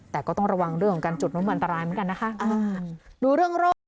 แต่ก็ต้องระวังเรื่องของการจุดมุมอันตรายเหมือนกันนะคะ